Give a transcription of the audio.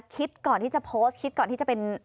คิดก่อนที่จะโพสต์คิดก่อนที่จะเป็น